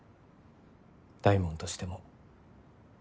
大門としても。